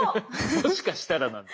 もしかしたらなんですか。